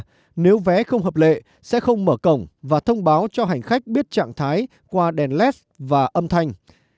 vì vậy nếu vé không hợp lệ sẽ không mở cổng và thông báo cho hành khách biết trạng thái qua đèn led và âm thanh